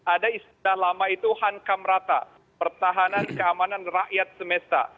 ada istilah lama itu hankam rata pertahanan keamanan rakyat semesta